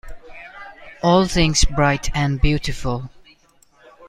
All things bright and beautiful.